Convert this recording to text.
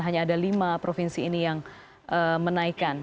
hanya ada lima provinsi ini yang menaikkan